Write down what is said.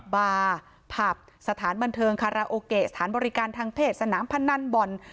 บาร์ผับสถานบันเทิงคาราโอเกะสถานบริการทางเพศสนามพนันบ่อน